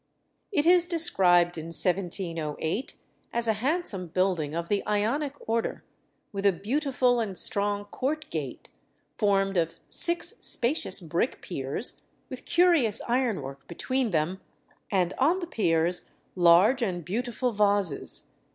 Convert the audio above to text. It is described in 1708 as a handsome building of the Ionic order, with a beautiful and strong Court Gate, formed of six spacious brick piers, with curious ironwork between them, and on the piers large and beautiful vases.